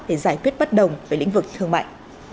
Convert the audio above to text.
để giải quyết bất đồng về lĩnh vực thương mại